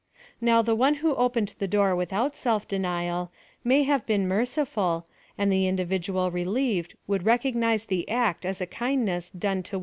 Now the one who opened the doar without self denial, may have been merciful, and the individual relieved would recognise the act as a kindness done to on.